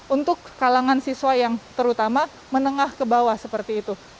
untuk kalangan siswa yang terutama menengah ke bawah seperti itu